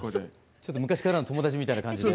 ちょっと昔からの友達みたいな感じで。